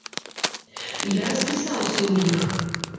Я распісаўся ў іх.